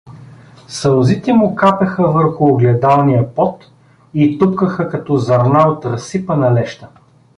Сълзите му капеха върху огледалния под и тупкаха като зърна от разсипана леща.